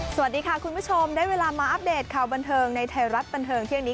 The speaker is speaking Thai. สวัสดีค่ะคุณผู้ชมได้เวลามาอัปเดตข่าวบันเทิงในไทยรัฐบันเทิงเที่ยงนี้